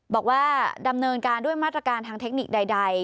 บอกว่าดำเนินการด้วยมาตรการทางเทคนิคใด